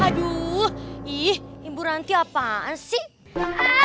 aduh ih ibu ranti apaan sih